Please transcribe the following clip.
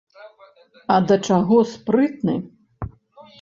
А да чаго спрытны!